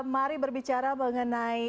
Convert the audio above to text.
mari berbicara mengenai